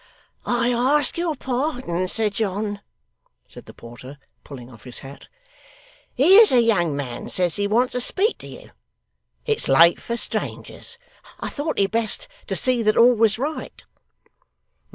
'I ask your pardon, Sir John,' said the porter, pulling off his hat. 'Here's a young man says he wants to speak to you. It's late for strangers. I thought it best to see that all was right.